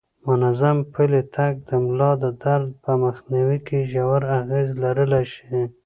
منظم پلی تګ د ملا د درد په مخنیوي کې ژور اغیز لرلی شي.